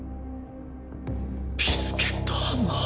ビスケットハンマー。